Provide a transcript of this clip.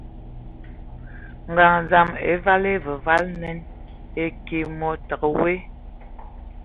Ngaɲ dzam e vali evǝvali nen, eki mod te woe,